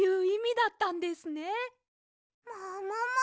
ももも！